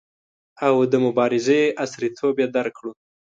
او د مبارزې عصریتوب یې درک کړو.